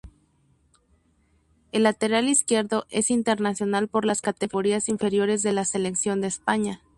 El lateral izquierdo es internacional por las categorías inferiores de la Selección de España.